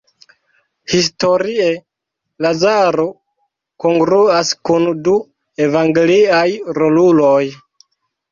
Historie Lazaro kongruas kun du evangeliaj roluloj.